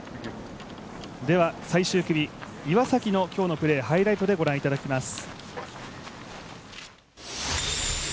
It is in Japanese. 最終組、岩崎の今日のプレー、ハイライトでご覧いただきます。